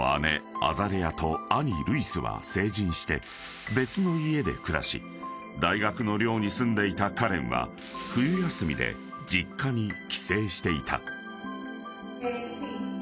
アザレアと兄ルイスは成人して別の家で暮らし大学の寮に住んでいたカレンは冬休みで実家に帰省していた］